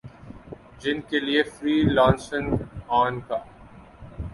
جن کے لیے فری لانسنگ ان کا